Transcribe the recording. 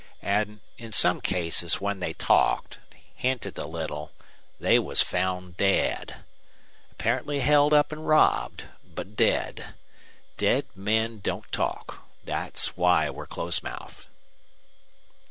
An' in some cases when they talked hinted a little they was found dead. Apparently held up an robbed. But dead. Dead men don't talk! Thet's why we're close mouthed."